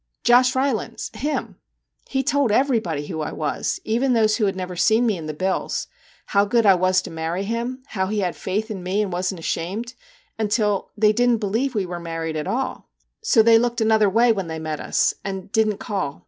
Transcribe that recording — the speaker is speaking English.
'Josh Rylands! him\ He told everybody who I was, even those who had never seen me in the bills how good I was to marry him, how he had faith in me and wasn't ashamed until they didn't believe we were married at all. So they looked another way when they met us and didn't call.